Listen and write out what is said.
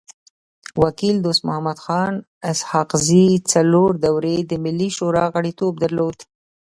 وکيل دوست محمد خان اسحق زی څلور دوري د ملي شورا غړیتوب درلود.